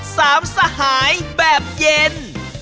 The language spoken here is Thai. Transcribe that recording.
สามสหายแบบเย็น